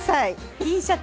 Ｔシャツ。